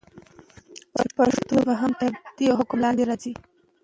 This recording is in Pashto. چې پښتو ژبه هم تر دي حکم لاندي راځي.